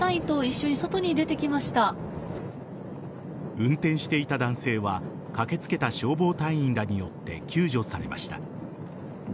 運転していた男性は駆けつけた消防隊員らによって救助されました。